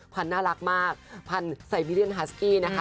น่ารักมากพันธุ์ไซบีเรียนฮาสกี้นะคะ